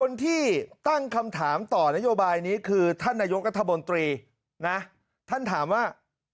คนที่ตั้งคำถามต่อนโยบายนี้คือท่านนายกรัฐมนตรีนะท่านถามว่า